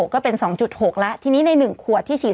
ก็เป็น๒๖แล้วทีนี้ใน๑ขวดที่ฉีด